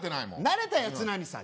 慣れたやつ何さ？